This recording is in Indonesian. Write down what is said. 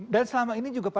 dan selama ini juga